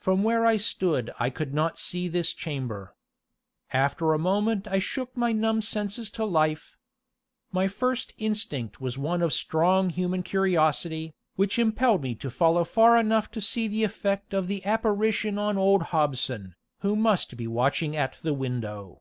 From where I stood I could not see this chamber. After a moment I shook my numb senses to life. My first instinct was one of strong human curiosity, which impelled me to follow far enough to see the effect of the apparition on old Hobson, who must be watching at the window.